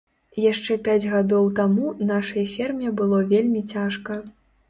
Яшчэ пяць гадоў таму нашай ферме было вельмі цяжка.